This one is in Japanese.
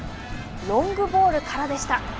ロングボールからでした。